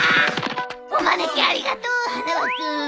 お招きありがとう花輪君！